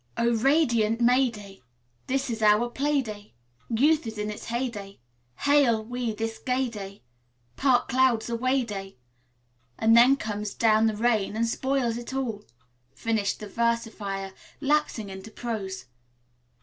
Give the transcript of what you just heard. "Oh, radiant May day, This is our play day. Youth is in its hey day; Hail we this gay day; Park clouds away day. "And then down comes the rain and spoils it all," finished the versifier, lapsing into prose.